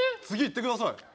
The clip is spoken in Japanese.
次いってください